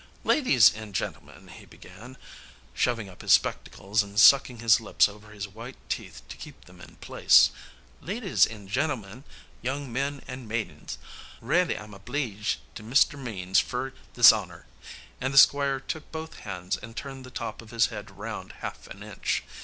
"Ladies and gentlemen," he began, shoving up his spectacles, and sucking his lips over his white teeth to keep them in place, "ladies and gentlemen, young men and maidens, raley I'm obleeged to Mr. Means fer this honor," and the Squire took both hands and turned the top of his head round half an inch.